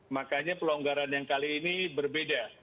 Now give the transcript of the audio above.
makanya pelonggaran yang kali ini berbeda